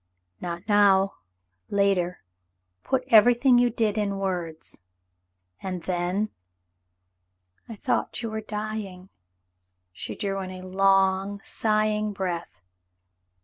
"Not now. Later. Put everything you did in words. And then—" "I thought you were dying." She drew in a long, sighing breath.